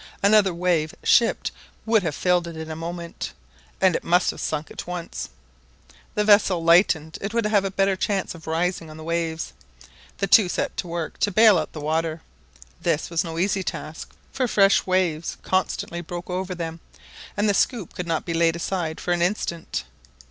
Another wave shipped would have filled it in a moment, and it must have sunk at once. The vessel lightened, it would have a better chance of rising on the waves; and the two set to work to bale out the water. This was no easy task; for fresh waves constantly broke over them, and the scoop could not be laid aside for an instant.